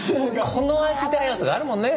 この味だよとかあるもんね。